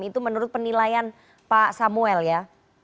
itu menurut penilaian pak samuel ya